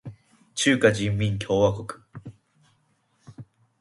中華人民共和国